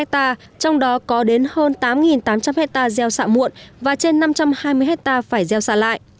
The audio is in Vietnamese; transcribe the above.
trong đó có đến hơn tám tám trăm linh hectare gieo xạ muộn và trên năm trăm hai mươi hectare phải gieo xạ lại